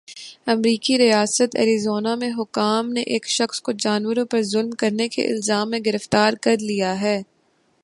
امریکی ریاست ایریزونا میں حکام نے ایک شخص کو جانوروں پر ظلم کرنے کے الزام میں گرفتار کرلیا ہے۔